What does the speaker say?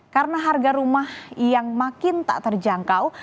karena harga rumah yang makin tak terjangkau